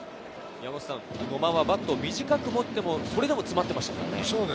野間はバットを短く持っても、それでも詰まっていましたよね。